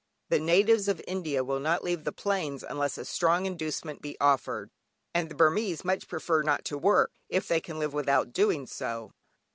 The natives of India will not leave the plains unless a strong inducement be offered, and the Burmese much prefer not to work, if they can live without doing so.